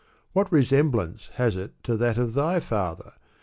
What resemblance has it to that of thy father?